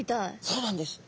そうなんです。